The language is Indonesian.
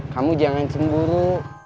kamu jangan cemburu